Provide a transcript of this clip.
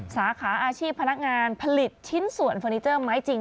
สาขาอาชีพพนักงานผลิตชิ้นส่วนเฟอร์นิเจอร์ไม้จริง